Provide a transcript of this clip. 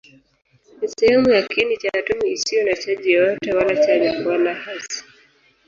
Ni sehemu ya kiini cha atomi isiyo na chaji yoyote, wala chanya wala hasi.